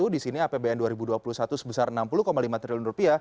di sini apbn dua ribu dua puluh satu sebesar rp enam puluh lima triliun